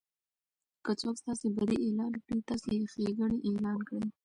که څوک ستاسي بدي اعلان کړي؛ تاسي ئې ښېګړني اعلان کړئ!